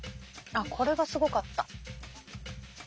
あっこれがすごかった。